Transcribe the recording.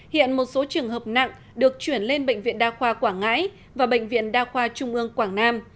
hiện một số trường hợp nặng được chuyển lên bệnh viện đa khoa quảng ngãi và bệnh viện đa khoa trung ương quảng nam